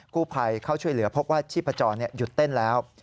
ผู้ภัยเข้าช่วยเหลือพบว่าชีพจรหยุดเต้นแล้ว